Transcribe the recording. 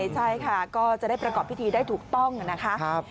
ใช่ค่ะก็จะได้ประกอบพิธีได้ถูกต้องนะคะ